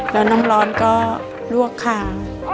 แล้วน้ำร้อนก็ลวกคาง